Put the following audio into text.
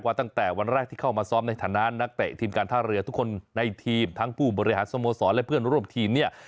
ตั้งแต่วันแรกที่เข้ามาซ้อมในฐานะนักเตะทีมการท่าเรือทุกคนในทีมทั้งผู้บริหารสโมสรและเพื่อนร่วมทีมเนี่ย